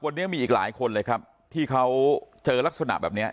วันนี้มีอีกหลายคนเลยครับที่เขาเจอลักษณะแบบเนี้ย